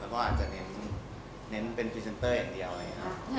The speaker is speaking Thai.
เราก็อาจจะเน้นเป็นพรีเซนเตอร์อย่างเดียวนะครับ